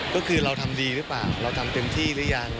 ก็คือเราทำดีหรือเปล่าเราทำเต็มที่หรือยัง